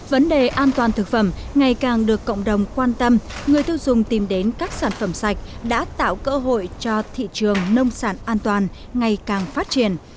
vấn đề an toàn thực phẩm ngày càng được cộng đồng quan tâm người tiêu dùng tìm đến các sản phẩm sạch đã tạo cơ hội cho thị trường nông sản an toàn ngày càng phát triển